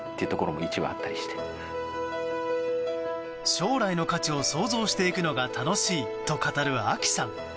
将来の価値を想像していくのが楽しいと語るＡＫＩさん。